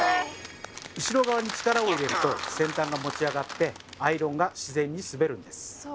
後ろに力を入れると先端が持ち上がってアイロンが自然に滑るんです。